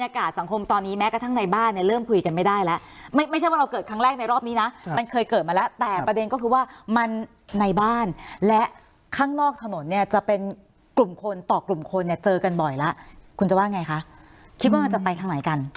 คนต่อกลุ่มคนเนี้ยเจอกันบ่อยแล้วคุณจะว่าไงคะคิดว่ามันจะไปทางไหนกัน